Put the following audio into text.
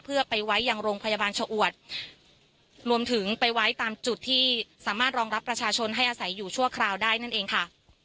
เพื่อไปไว้อย่างโรงพยาบาลชะอวดรวมถึงไปไว้ตามจุดที่สามารถรองรับประชาชนให้อาศัยอยู่ชั่วคราวได้นั่นเองค่ะ